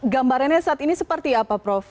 gambarannya saat ini seperti apa prof